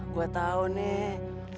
gua tau nih